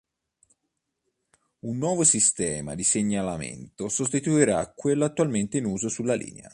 Un nuovo sistema di segnalamento sostituirà quello attualmente in uso sulla linea.